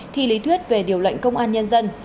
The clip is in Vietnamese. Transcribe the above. thi lý thuyết về điều lệnh công an nhân dân